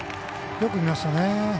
よく見ましたね。